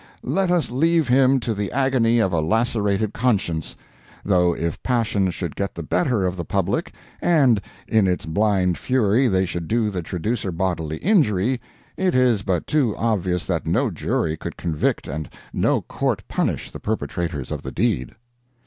let us leave him to the agony of a lacerated conscience (though if passion should get the better of the public, and in its blind fury they should do the traducer bodily injury, it is but too obvious that no jury could convict and no court punish the perpetrators of the deed).